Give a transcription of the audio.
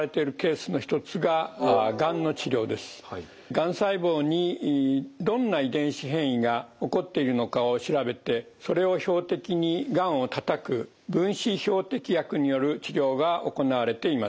がん細胞にどんな遺伝子変異が起こっているのかを調べてそれを標的にがんをたたく分子標的薬による治療が行われています。